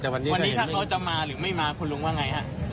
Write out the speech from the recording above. วันนี้วันนี้ถ้าเขาจะมาหรือไม่มาคุณลุงว่าไงฮะ